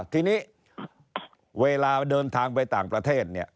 ทีนี้เวลาเดินทางไปต่างประเทศเนี่ย